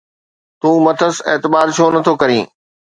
تون مٿس اعتبار ڇو نٿو ڪرين؟